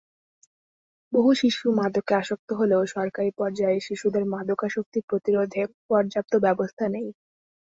বহু শিশু মাদকে আসক্ত হলেও সরকারি পর্যায়ে শিশুদের মাদকাসক্তি প্রতিরোধে পর্যাপ্ত ব্যবস্থা নেই।